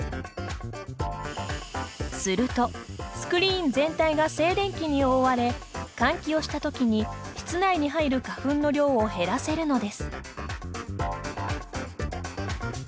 すると、スクリーン全体が静電気に覆われ換気をした時に、室内に入る花粉の量を減らせるのです。